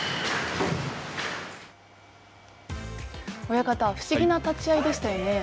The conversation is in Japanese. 親方、不思議な立ち合いでしたよね。